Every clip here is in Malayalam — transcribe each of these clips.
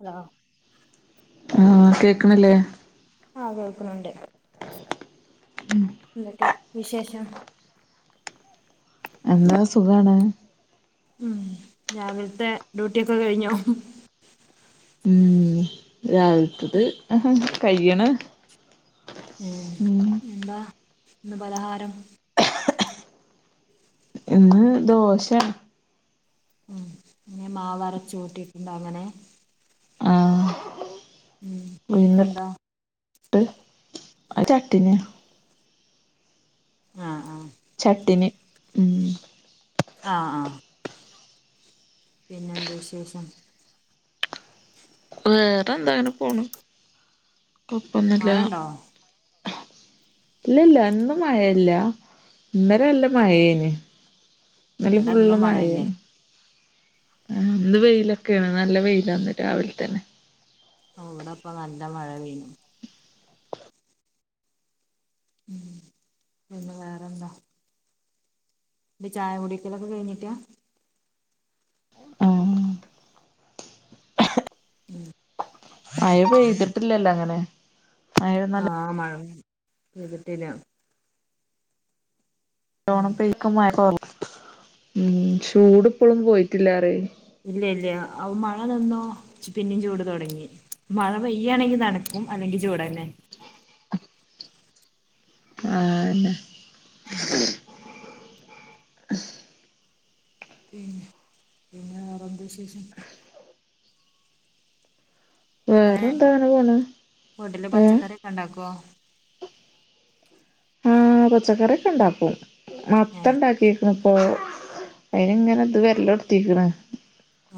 ആ ആഹ കേക്കണില്ലേ ആ കേൾക്കുന്നുണ്ട് [inaudible] എന്തൊക്കെ വിശേഷം എന്താ സുഖാണ് ഉം രാവിലത്തെ ഡ്യൂട്ടിയൊക്കെ കഴിഞ്ഞോ ഉം രാവിലത്തത് ആ [inaudible] കയ്യണ് ഉം എന്താ ഇന്ന് പലഹാരം ഇന്ന് ദോശ ഉം ഇങ്ങെ മാവരച്ചൂട്ടിട്ടുണ്ടോ അങ്ങനെ ആഹ ഉം നെയ്ക്കെന്താ [unintelligible] അഹ് ചട്ടിന്യ ആ ആ ചട്ടിനി ഉം ആ ആ പിന്നെ എന്ത് വിശേഷം വേറെന്താ അങ്ങനെ പോണ് കൊപ്പോന്നുല്ല മഴണ്ടോ ഇല്ല ഇല്ല ഇന്ന് മഴല്ല ഇന്നലെ നല്ല ഓ മഴേനി ഇന്നലിം ഇവിടെ ഫുള്ള് എന്നും മഴന്നെ മഴേനി ആ ഇന്ന് വെയിലൊക്കെണ് നല്ല വെയിലാന്ന് രാവിൽ തന്നെ ഇവ്ടെപ്പം നല്ല മഴ പെയ്ന് പിന്നെ വേറെന്താ ചായ കുടിക്കലൊക്കെ കഴിഞ്ട്ടാ ആഹ് ഉം [unintelligible] മഴ പെയ്ത്ട്ട്ല്ലല്ലോ അങ്ങനെ മഴ ആ മഴ പെയ്ത്ട്ടില്ല [unintelligible] ചൂട്പ്പളും പോയിട്ടില്ല അറിയ് ഇല്ല ഇല്ല അഹ് മഴ നിന്നോ പിന്നിം ചൂട് തോടങ്ങി മഴ പെയ്യ്ണെങ്കി നടക്കും അല്ലെങ്കി ചൂടെന്നെ ആ ന്നെ ഉം [inaudible] പിന്നെ വേറേന്തശേഷം അങ്ങനെ വേറെ എന്താണ് പോണ് വീട്ടില് ഏ പച്ചക്കറി ഒക്കെ ഉണ്ടാക്കുവോ ആഹ് പച്ചക്കറക്കെ ണ്ടാക്കും ഏ മത്ത ണ്ടാക്കിക്കണ് അപ്പോ അയിനിങ്ങനെ ഇത് വരെല്ലോടുത്തിക്കണ്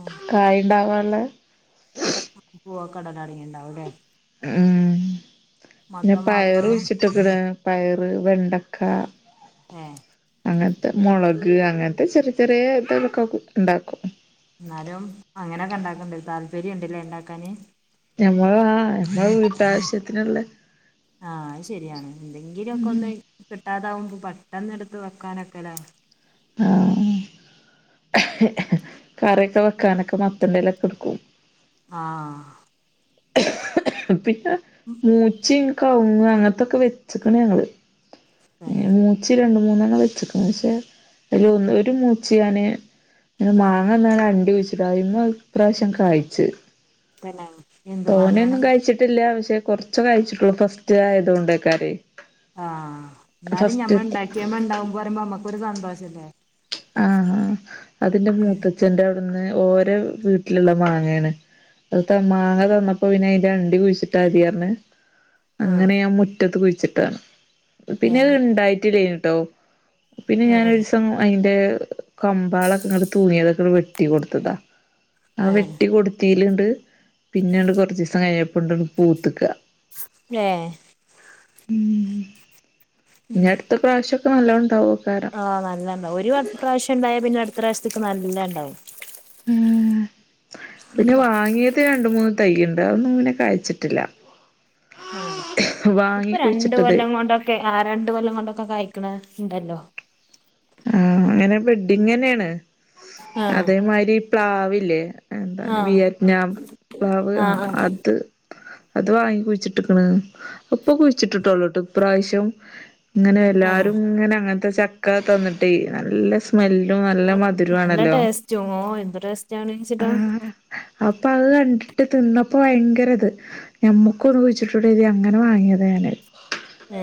ഉം കായ്ണ്ടാവാ അല്ലെ പോ [unintelligible] ഉണ്ടാവുംല്ലെ ഉം പിന്നെ മാത്രേ പയർ ഉള്ളൂ കുഴിച്ചിട്ട്ക്കണ് പയറ് വെണ്ടക്ക ഏ അങ്ങനത്തെ മൊളക് അങ്ങനത്തെ ചെറിയ ചെറിയ ഇതൊക്കെ ണ്ടാക്കും ന്നാലും അങ്ങനെയൊക്കെ ഉണ്ടാക്കണ്ട് താല്പര്യം ണ്ടില്ലേ ണ്ടാക്കാന് ഞമ്മൾ ആ ഞമ്മൾ വീട്ടാവശ്യത്തിനി ള്ള ആഹ് അത് ശരിയാണ് എന്തെങ്കിലും ഒക്കെ ഒന്ന് കിട്ടാതാവുമ്പോ പെട്ടന്ന് എടുത്ത് വെക്കാനൊക്കെല്ലോ ആ കറിയൊക്കെ വെക്കാനൊക്കെ മത്തന്റെലൊക്കെടുക്കും ആ പിന്നെ മൂച്ചിം കവുങ്ങ് അങ്ങനത്തൊക്കെ വെച്ചക്കണ് ഞങ്ങള് തന്നെ ഏ മൂച്ചി രണ്ട രണ്ട് മൂന്നെണ്ണം വെച്ചക്ക്ണ് പക്ഷെ അയല് ഒരു മൂച്ചി ഞാൻ പിന്നെ മാങ്ങ തിന്നാണ്ട് അണ്ടി കുഴിച്ചിടാ അയ്മെ ഇപ്രാവശ്യ കായ്ച്ച് പിന്നേ തോനെന്നും കഴിച്ചിട്ടില്ല പക്ഷെ കൊറച്ച കഴിച്ചിട്ടുള്ളൂ ഫസ്റ്റ് ആയതോണ്ട്യ്ക്കാരെ. ആ ന്നാലും ഞമ്മൾ ഉണ്ടാക്കിയ്മ ഇണ്ടാവുമ്പോ പറയുമ്പോ നമ്മക്കൊരു സന്തോഷല്ലേ? ആഹാ അതിന്റെ മൂത്തച്ഛന്റെ അവിടുന്ന് ഓരെ വീട്ടിലുള്ള മാങ്ങയാണ് അത് മാങ്ങ തന്നപ്പോ പിന്നെ അതിന്റെ അണ്ടി കുഴിച്ചിട്ടാ മതിയറിഞ്ഞ്- ആഹ് അങ്ങനെ ഞാൻ മുറ്റത്ത് കുഴിച്ചിട്ടാണ് പിന്നെത് ഏഹ് ഇണ്ടായിട്ടില്ലയിനിട്ടോ. പിന്നെ ആഹ് ഞാനൊരീസം അതിന്റെ കമ്പ്ളൊക്കെ ഇങ്ങ് തൂങ്ങിയതൊക്കെ വെട്ടി കൊടുത്തതാ. ആ ആഹ് വെട്ടി കൊടുത്തീല്ണ്ട് പിന്നണ്ട് കൊറച്ചീസം കഴിഞ്ഞപ്പണ്ട് പൂത്ത്ക്ക. ഏ [inaudible] ഉം ഇനി അടുത്ത പ്രാവശ്യക്കെ നല്ലോണ്ടാവും. ആഹ് നല്ലണ്ടാവും ഒരു പ്രാവശ്യണ്ടായ പിന്നെ അടുത്ത പ്രാവശ്യത്തേക്ക് നല്ല ഉണ്ടാവും. പിന്നെ വാങ്ങിയത് രണ്ട് മൂന്ന് തയ്യ്ണ്ട് അതൊന്നും പിന്നെ കായ്ച്ചിട്ടില്ല ആ ഇപ്പൊ വാങ്ങി രണ്ട് കുഴിച്ചിട്ടത് കൊല്ലം കൊണ്ടൊക്കെ ആ രണ്ട് കൊല്ലം കൊണ്ടൊക്കെ കായ്ക്കണ ണ്ടല്ലോ ആ അങ്ങനെ ബെഡ്ഡിങ് തന്നെയാണ് ആഹ് അതേമാതിരി പ്ലാവില്ലേ? എന്താണ് ആഹ് വിയറ്റ്നാം പ്ലാവ് ആഹ് അത് അത് വാങ്ങി കുഴിച്ചിട്ടിക്ക്ണ് ഇപ്പൊ കുഴിച്ചിട്ടിട്ടോള്ളൂ ട്ടോ ഇപ്രാവശ്യം. ഇങ്ങനെ ആഹ് എല്ലാരും ങ്ങനെ അങ്ങനത്തെ ചക്ക തന്നിട്ടേയ് നല്ല സ്മെല്ല്! ഓ നല്ല ടേസ്റ്റ് എന്ത് ആ ടേസ്റ്റാന്നിച്ചിട്ടാ! അപ്പൊ അത് കണ്ടിട്ട് തിന്നപ്പോ ഭയങ്കര ഇത് ഞമ്മുക്കൊന്ന് കുഴിച്ചിട്ടുടെ ഇത് അങ്ങനെ വാങ്ങിയത ഞാനാ അത്- ഏ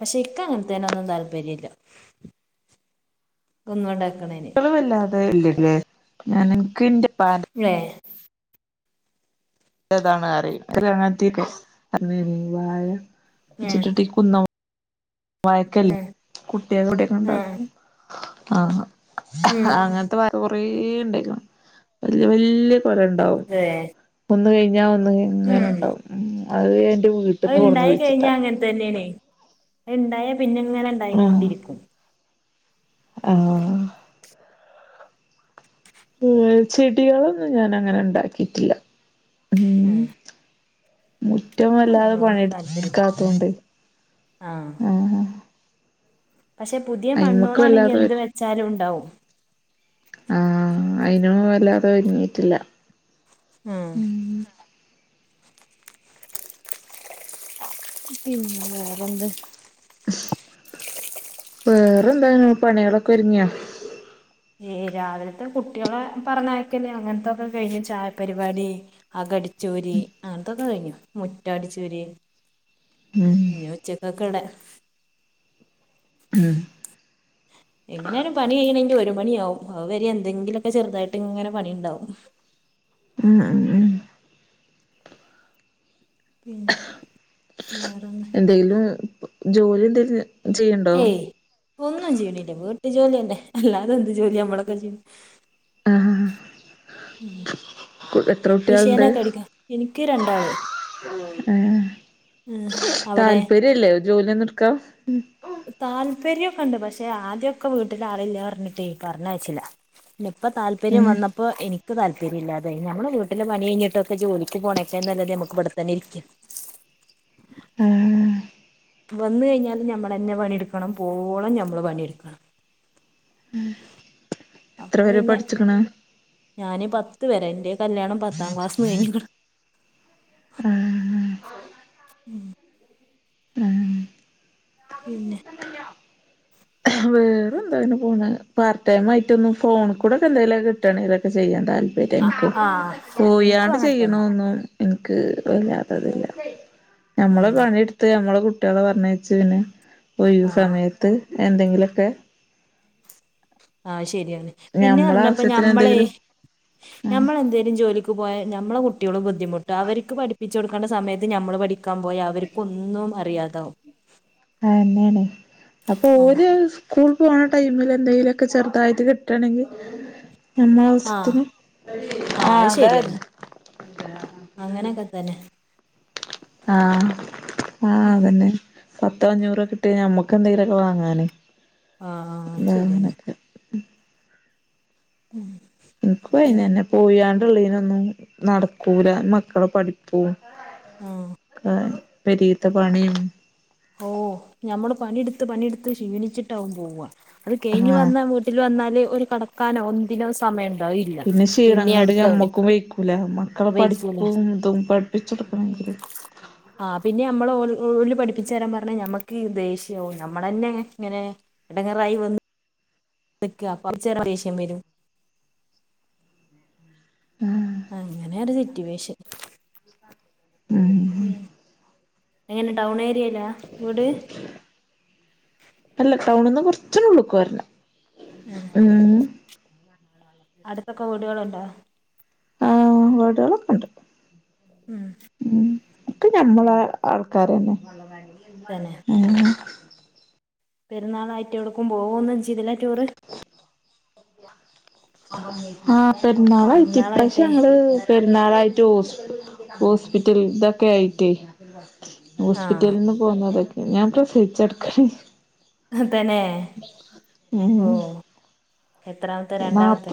പക്ഷെ ഇന്ക്ക് അങ്ങനത്തീ നൊന്നും താല്പര്യല്ല ഒന്നണ്ടാക്ക [unintelligible] മളല്ലാതെ ഇല്ലല്ലേ എന്റെ പ ഏഹ് അതാണ് അറിയ അങ്ങത്തിീ [unintelligible] അ ഏഹ് വായച്ചിട്ടിട്ടി കുന്ന വയക്കല്ലേ ഏഹ് കുട്ടിയ [unintelligible] എവിടെക്കെ ഏഹ് ഉണ്ടാക്കും ആഹ് ഉം അങ്ങനത്തെ മരം കൊറേ ണ്ടായിക്ക്ണ് വല്യ വല്യ ല ഉണ്ടാവും അതെ ഒന്ന് കഴിഞ്ഞാ ഒന്ന്ങ്ങനെ കഴിഞ്ഞാണ്ടാവും അത് അഹ് വീട്ടിൽന്ന് കൊടന്ന് ഇണ്ടായി കഴിഞ്ഞാ കുഴിച്ചിട്ടാ അങ്ങൻ തന്നേണേ ഇണ്ടായാ പിന്നങ്ങനെ ഇണ്ടാഴികൊണ്ടിരിക്കും ആ ഏ ചെടികളൊന്നും ഞാൻ അങ്ങനെ ഇണ്ടാക്കീട്ടില്ല ആ മുറ്റം വല്ലാതെ പണി താല്പര്യല്ല ഇട്ക്കാത്തൊണ്ട് ആഹ് ആ ആ പക്ഷെ പുതിയ മണ്ണോളാണെങ്കി എന്ത് വെച്ചാലും ഇണ്ടാവും ആ അയ്നു വല്ലാതെ ഒരുങ്ങീട്ടില്ല ഉം പിന്നെ വേറെന്ത് വേറെന്താണ് പണികളൊക്കെ ഒരിങ്യൊ ഏ രാവിലത്തെ കുട്ട്യളെ പറഞ്ഞയക്കല് അങ്ങൻത്തൊക്കെ കയ്ഞ്ഞ് ചായ പരുവാടി അക ചൂരി അങ്ങൻത്തോക്കെ കഴിഞ്ഞു മുറ്റട്ച്ചൂരി ഉം ഇഞ് ഉച്ചക്കക്ക്‌ള്ളെ അ എങ്ങനാലും പണികയ്യെണെങ്കി ഒരു മണിയാവും അവ് വരെ എന്തെങ്കിലൊക്കെ ചെറുതായിട്ട്ങ്ങനെ പണിണ്ടാവും ഉം ഉം ഉം പിന്നെ വേറെന്താ എന്തെലും ജോലി എന്തേല ഏയ് ഒന്നും ചെയ്യണില്ല വീട്ട്ജോലെന്നെ അല്ലാതെന്ത് ജോലി നമ്മളൊക്കെ ചെയ്യ്ണ് ആ ഉം മിഷീനൊക്കെ അടിക്കാം എനിക്ക് രണ്ടാള് എഹേ ഉം. അവിടെ താല്പര്യല്ലേ ജോലിയൊന്നും ഇട്ക്കാൻ താല്പര്യാക്ക്‌ണ്ട് പക്ഷെ ആദ്യക്കെ വീട്ട്ലാളില്ലാർഞ്ട്ട് പറഞ്ഞയ്ച്ചില്ല നിപ്പ താല്പര്യം ഏഹ് വന്നപ്പൊ എനി ക്ക് താല്പര്യല്ലാതായ് ഞമ്മള് വീട്ട്ല് പണി കഴിഞ്ട്ടൊക്കെ ജോലിക്ക് പോണൊക്കാ നല്ലത് ഞമ്മക്ക്‌ ഇവ്ടത്തന്നെ ഇരിക്കാ ആ വന്ന് കഴിഞ്ഞാലും ഞമ്മളന്നെ പണി ഇട്ക്കണം പോവോളം ഞമ്മള് പണിട്ക്കാ ആഹ് അപ്പ പിന്നെ ഞാന് പത് ത്ത് വരെ എന്റെ കല്യാണം പത്താം ക്ലാസ് കഴിങ്ങിക്ക്ട് ആഹ് ഉം ആഹ് പിന്നെ വേറെന്ത പിന്നെപോണെ പാർ ടൈം ആയിട്ടൊന്നും ഫോണ് കൂടൊക്കെ എന്തേലും കിട്ടെണെ ഇതൊക്കെ ചെയ്യാ- താല്പര്യം ആ എനിക്കും ആ എനിക്കും പോയാണ്ട് അങ്ങനെ തന്നെ ചെയ്യണോന്നും എനക്ക് വല്ലാത്തതില്ല ഞമ്മളെ ഉം പണിയെടുത്ത് ഞമ്മള്കുട്ട്- ട്ടികളെ പറഞ്ഞയച്ച് പിന്നെ ഒരു ആഹ് സമയത്ത് എന്തെങ്കിലൊക്കെ ആശെ- ശരിയാണ് പിന്നെ ഞമ്മളെ പറഞ്ഞപ്പോ ആവശ്യത്തിന് ഞമ്മളെ എന്തെങ്കിലും ആഹ് ഞമ്മളെന്തേലും ജോലിക്ക് പോയാ ഞമ്മളെകുട്ട്യോ- കുട്ട്യോള് ബുദ്ധിമുട്ട അവര്ക്ക് പഠിപ്പിച്ചു കൊടുക്കേണ്ട സമയത്ത് ഞമ്മൾ പഠിക്കാപോയ അവര്ക്ക് ഒന്നും അറിയാതാവും ആയ്യെന്നെയാണ് അപ്പൊ ആഹ് ഒരു സ്കൂൾ പോണ ടൈമിൽ എന്തെങ്കിലുവൊക്കെ ചെറുതായിട്ട് കിട്ടണെങ്കിൽ അമ്മ ആഹ് അവസത്തിന ആഹ് അത് ശരിയാണ് അതന്നെ അങ്ങനെയൊക്കെ തന്നെ ആഹ് ആഹ് ഉം അതന്നെ പത്തോഅഞ്ഞൂറൊ കിട്ടി ഞമ്മക്ക് എന്തേലുവോക്കെ വാങ്ങാലോ ആഹ് ആഹ് ശരിയെന്നെ ഉം എനക്കു പിന്നെ അയ്നന്നെ പോയാണ്ടൊള്ളീനൊന്നും നടക്കൂല മക്കളെ പഠിപ്പൂ ആഹ് ആഹ് പെരിയത്തെ പണിയും ഓ ഞമ്മള് പണിയെടുത്ത് പണിയെടുത്ത് ക്ഷീണിച്ചിട്ടാവും പോവാ അത് കഴിഞ്ഞ് ആഹ് വന്ന് വീട്ടിൽ വന്നാല് ഒരു കടക്കാനോ ഒന്നിനോ സമയണ്ടാ പിന്നെ ക്ഷീണം കൊണ്ട് ഞമ്മക്കും വെയിക്കൂല മക്കളെ വൈക്കൂല പഠിപ്പും ഇതും പഠിപ്പിച്ചൊടുക്കണങ്കില് ആ പിന്നെ നമ്മള് ഓ ഓല് പഠിപ്പിച്ച് ച്ചേരാൻ പറഞ്ഞ നമക്ക് ദേഷ്യാവും നമ്മളന്നെ ഇങ്ങനെ ഇടങ്ങേറായി വന്നു നിക്കാ കുറച്ചേരം ദേഷ്യം വരും ആഹ് അങ്ങനെ ഒരു സിറ്റുവേഷൻ ഉം [unintelligible] എങ്ങനെ ടൗൺ ഏരിയേ ലാ വിട് ടൗണ്ന്ന് കുറച്ചൊരു ഉള്ള്ക്കോർനം ഉം അടുത്തൊക്കെ വീടുകളുണ്ടോ ആഹ് വീടുകളൊക്കെ ഉണ്ട് ഉം ഉം ഒക്കെ ഞമ്മളെ ആൾക്കാരന്നെ തന്നെ ആ ആ പെരുന്നാളായിട്ട് എവിടക്കും പോവൊന്നും ചെയ്തില്ല ടൂറ് ആഹ് പെരുന്നാളായിട്ട് ഇപ്രാവശ്യം പെരുന്നാളായിട്ടേ ഞങ്ങള് പെരുന്നാളായിട്ട് ഹോസ് ഹോസ്പിറ്റൽ ഇതൊക്കെ ആയിട്ടേ ആ ഹോസ്പിറ്റൽന്ന് പോന്നതെ ഞാൻ പ്രസവിച്ച്കിടക്കാണേ തന്നെ ഉം ഓ [unintelligible] എത്രാമത്തെ രണ്ടാമത്തെ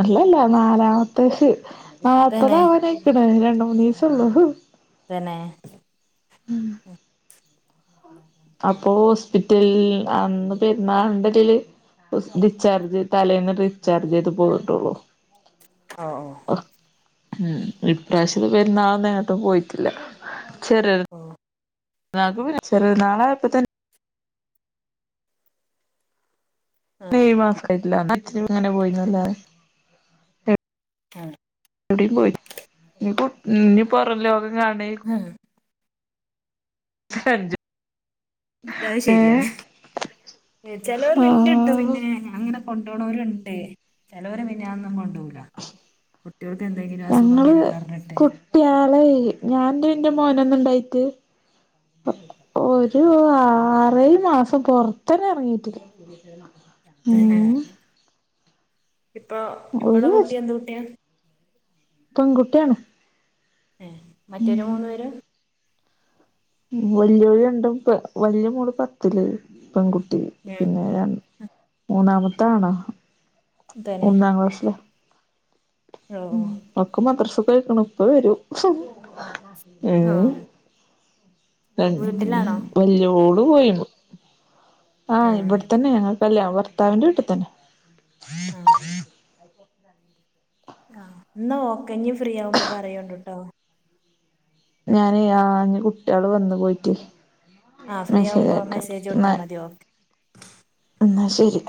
അല്ലല്ല നാലാമത്തെ തന്നെ നാല്പ്ത്താവാനായിക്ക്ണ് രണ്ട് മൂ നീസം ഉള്ളു പിന്നേ അപ്പൊ ഹോസ്പിറ്റൽ അന്ന് പരുന്നാളിൻ്റെടേൽ ഡിറ്റാർജ് തലേന്ന് ഡിസ്ചാർജ് ചെയ്ത് പോനിട്ടൊള്ളൂ ഒ ഉം ഇപ്രാവശ്യം പെരുന്നാളിന്ന് എങ്ങട്ടും പോയിട്ടില്ല ചെറിയ ഓ [unintelligible] നാളെ ഇപ്പ തന്നെ ആ ഏഴ്മാസായിട്ടില്ല അഛനങ്ങനെ പോയിനല്ലാതെ ആ എവിടേം പോയി ഇനിപ്പോ ഇനി പൊറംലോകം കാണങ്കിൽ [unintelligible] [unintelligible] ഏഹ് ശരിയാണ് ചെലോർ ഇണ്ട്ട്ടോ ആഹ് പിന്നെ അങ്ങനെ കൊണ്ടോണോരുണ്ട് ചെലോര്പിന്നെ ഒടുക്കും കൊണ്ടോകൂല കുട്ടികൾക്ക് എന്തെങ്കിലും അസുഖം വരന്ന്പറഞ്ഞിട്ട് ഞാൻ എന്റെ മോനൊന്ന് ഇണ്ടായിട്ട് ഒരു ആറേഴ് മാസം പൊറത്തന്നെ ഇറങ്ങീട്ട തന്നെ ഇപ്പൊ ഇപ്പള്ള ഒരു കുട്ടി എന്ത് കുട്ടിയാ പെൺകുട്ടിയാണ് ഏ മറ്റോര് മൂന്നു പേര് വലിയോല് രണ്ടും വലിയ മോള്പത്തില് പെൺകുട്ടി പിന്നെ [unintelligible] മൂന്നാമത്തത് ആണാ തന്നെ ഒന്നാം ക്ലാഷില ഓ ഉം ഓ ഒക്കെ മദ്രസക്ക് പോയിക്ക്ണ് ഇപ്പം വരും ആഹ് [unintelligible] വലിയോള് പോയി ആ ആഹ് ഇവിടെത്തന്നെ ഞങ്ങൾക്കല്ല ഭർത്താവിൻ്റെ വീട്ടിൽ തന്നെ [inaudible] ആ ആഹ് ഇന്നാ ഓക്കെ ഇന്ന് ഫ്രീ ആവുമ്പോ പറയോണ്ട് ട്ടോ ഞാനെ ആ ഇഞ്ഞ് കുട്ടികള് വന്നു പോയിട്ട് ആ ന്നാ ഫ്രീ ശരി ആവുമ്പോ ആയിക്കോട്ടെ മെസ്സേജ് ന്നാ വിട്ടാ മതി ഓക്കെ ന്നാ ശരി